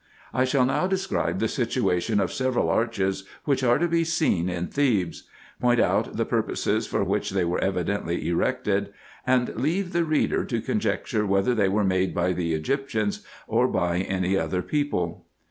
I shall now describe the situation of several arches, which are to be seen in Thebes; point out the purpose for which they were evidently erected ; and leave the reader to conjecture whether they were made by the Egyptians, or by any other people.